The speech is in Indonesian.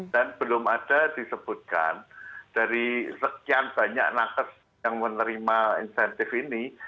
dan belum ada disebutkan dari sekian banyak nakes yang menerima insentif ini